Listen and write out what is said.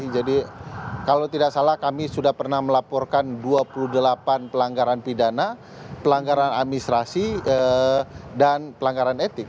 jadi kalau tidak salah kami sudah pernah melaporkan dua puluh delapan pelanggaran pidana pelanggaran administrasi dan pelanggaran etik